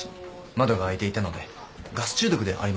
窓が開いていたのでガス中毒ではありません。